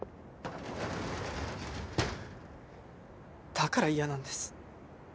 だから嫌なんです。